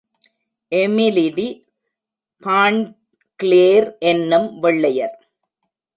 எமிலிடி ஃபாண்ட்கிளேர் என்னும் வெள்ளையர்.